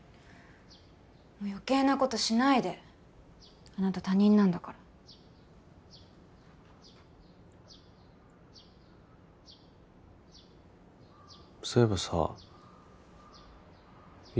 もう余計なことしないであなた他人なんだからそういえばさ優